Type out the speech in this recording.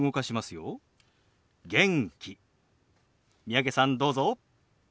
三宅さんどうぞ。